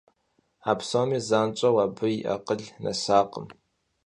А псоми занщӀэу абы и акъыл нэсакъым.